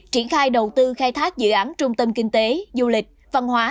triển khai đầu tư khai thác dự án trung tâm kinh tế du lịch văn hóa